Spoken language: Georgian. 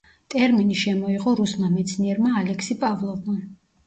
ტერმინი შემოიღო რუსმა მეცნიერმა ალექსი პავლოვმა.